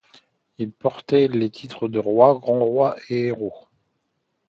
Il portait les titres de Roi, Grand Roi et Héros.